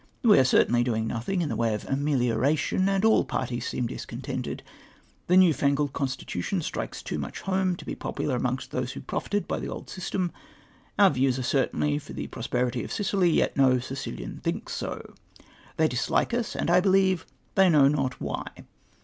We are certainly doing nothing in the way of amelioration, and all parties seem discontented. The newfangled constitution strikes too much home to be popular amongst those who profited b}^ the old system. Our views are certainly for the prosperity of Sicily, yet no Sicilian thinks so. They dislike us, and I believe they know not wliy.